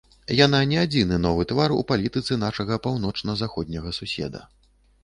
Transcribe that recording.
Яна не адзіны новы твар у палітыцы нашага паўночна-заходняга суседа.